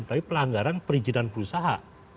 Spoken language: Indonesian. tapi pelanggaran perizinan berusaha